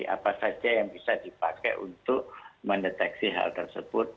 apa saja yang bisa dipakai untuk mendeteksi hal tersebut